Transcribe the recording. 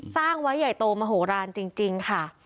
สร้างไว้ใหญ่โตมโหลานจริงค่ะ